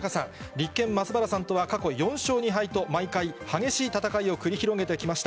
立憲、松原さんとは過去４勝２敗と、毎回、激しい戦いを繰り広げてきました。